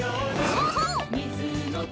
そうそう！